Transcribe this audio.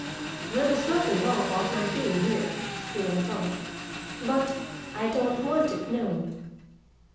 "There was nothing wrong about my being here," he went on, "but I don't want it known.